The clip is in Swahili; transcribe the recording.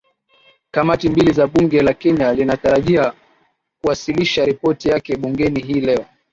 kamati mbili za bunge la kenya linatarajia kuwasilisha ripoti yake bungeni hii leo